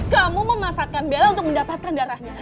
kamu memanfaatkan bela untuk mendapatkan darahnya